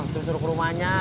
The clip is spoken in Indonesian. terus suruh ke rumahnya